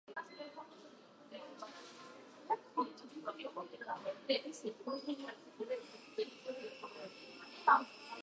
ちなみに、朝鮮へ出兵した武将の多くはのちに起こる関ヶ原の戦いにて東軍と西軍に分かれます。東軍と西軍に分かれた原因にが朝鮮出兵であったかどうかについては定かではありません。